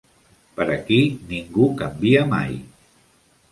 Per aquí ningú canvia mai.